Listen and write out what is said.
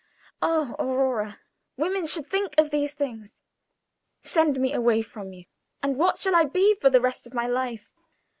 Oh, Aurora, women should think of these things! Send me away from you, and what shall I be for the rest of my life?